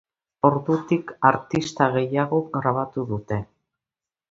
Ordutik, artista gehiagok grabatu dute.